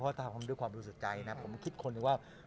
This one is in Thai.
เพราะว่าถ้าทำด้วยความรู้สึกใจนะครับผมคิดคนนึงว่า